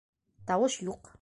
Тауыш юҡ.